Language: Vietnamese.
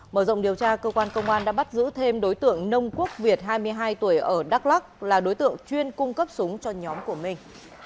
mở rộng điều tra cơ quan công an đã bắt giữ thêm đối tượng nông quốc việt hai mươi hai tuổi ở đắk lắc là đối tượng chuyên cung cấp súng cho nhóm của mình